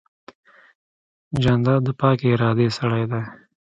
جانداد د پاکې ارادې سړی دی.